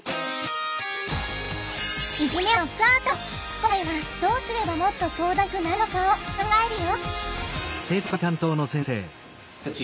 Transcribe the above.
今回はどうすればもっと相談しやすくなるのかを考えるよ！